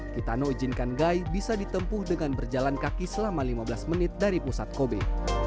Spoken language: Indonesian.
kitano izinkan gai bisa ditempuh dengan berjalan kaki selama lima belas menit dari pusat kobe